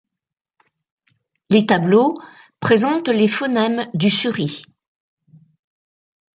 Les tableaux présentent les phonèmes du seri.